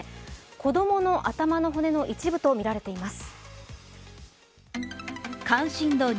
子供の頭の骨の一部とみられています。